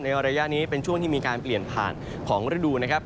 ระยะนี้เป็นช่วงที่มีการเปลี่ยนผ่านของฤดูนะครับ